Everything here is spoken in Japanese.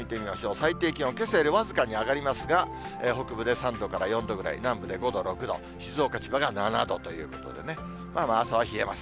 最低気温、けさより僅かに上がりますが、北部で３度から４度ぐらい、南部で５度、６度、静岡、千葉が７度ということでね、まあまあ、朝は冷えます。